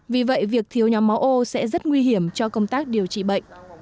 vì vậy việc thiếu nhóm máu ô sẽ rất nguy hiểm cho công tác điều trị bệnh